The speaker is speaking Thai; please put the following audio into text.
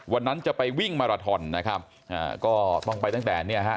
วันนั้นจะไปวิ่งมาราทอนนะครับอ่าก็ต้องไปตั้งแต่เนี่ยฮะ